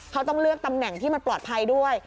เขาต้องเลือกตำแหน่งที่มันปลอดภัยด้วย